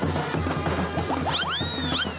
เมื่อกี้ได้มาลุงค์